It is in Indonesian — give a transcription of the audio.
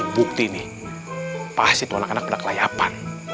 bukti nih pasti anak anaknya kelayapan